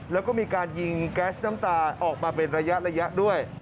แล้วก็มีการยิงแก๊สน้ำตาออกมาเป็นระยะด้วย